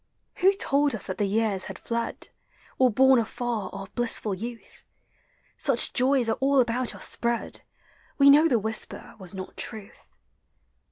Who told us that the years had iied, Or borne afar our blissful youth? Such joys are all about us spread; We know the whisper was not truth.